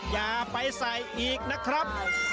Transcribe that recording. อย่าไปใส่อีกนะครับ